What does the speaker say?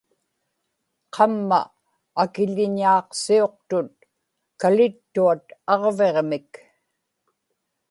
qamma akiḷiñaaqsiuqtut kalittuat aġviġmik